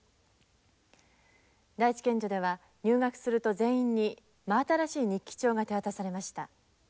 第一県女では入学すると全員に真新しい日記帳が手渡されました。